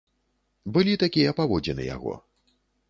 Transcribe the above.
Былі такія паводзіны яго.